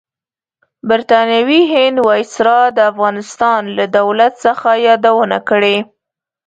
برطانوي هند وایسرای د افغانستان لۀ دولت څخه یادونه کړې.